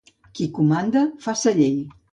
Qui comanda fa sa llei.